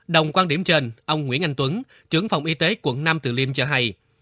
đồng quan điểm trên ông nguyễn anh tuấn trưởng phòng y tế quận năm từ liêm cho hay